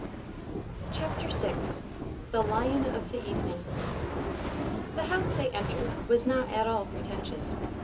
VI THE "LION" OF THE EVENING The house they entered was not at all pretentious.